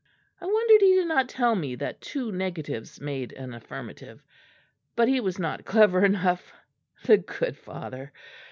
I wondered he did not tell me that two negatives made an affirmative; but he was not clever enough, the good father.